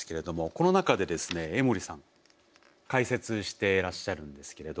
この中でですね江守さん解説してらっしゃるんですけれど。